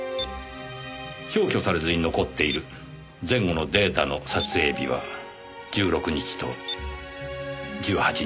消去されずに残っている前後のデータの撮影日は１６日と１８日。